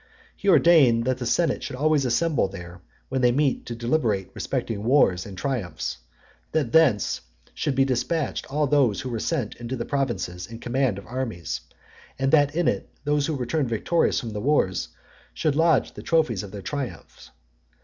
He ordained that the senate should always assemble there when they met to deliberate respecting wars and triumphs; that thence should be despatched all those who were sent into the provinces in the command of armies; and that in it those who returned victorious from the wars, should lodge the trophies of their triumphs.